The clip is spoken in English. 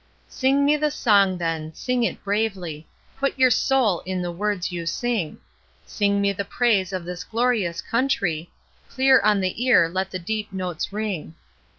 Sing me the song, then; sing it bravely; Put your soul in the words you sing; Sing me the praise of this glorious country Clear on the ear let the deep notes ring.